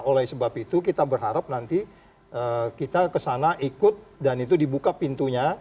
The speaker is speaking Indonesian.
oleh sebab itu kita berharap nanti kita kesana ikut dan itu dibuka pintunya